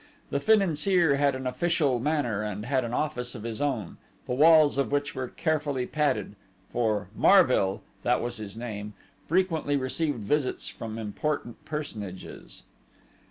The Financier had an official manner, and had an office of his own, the walls of which were carefully padded, for Marville that was his name frequently received visits from important personages.